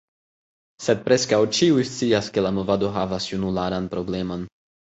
Sed preskaŭ ĉiuj scias ke la movado havas junularan problemon.